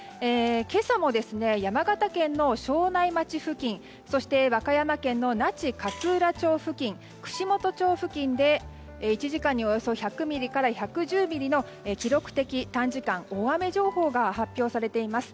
今朝も山形県の庄内町付近そして、和歌山県の那智勝浦町付近串本町付近で１時間におよそ１００ミリから１１０ミリの記録的短時間大雨情報が発表されています。